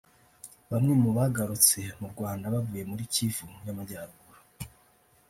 Bamwe mu bagarutse mu Rwanda bavuye muri Kivu y’Amajyaruguru